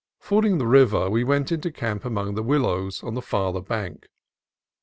Fording the river we went into camp among the willows on the farther bank.